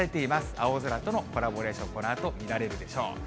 青空とのコラボレーション、このあと見られるでしょう。